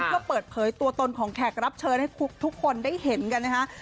เพื่อเปิดเผยตัวตนของแขกรับเชิญให้ทุกคนได้เห็นกันนะคะ